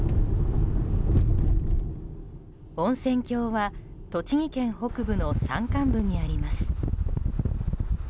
温泉郷は、栃木県北部の山間部にあります。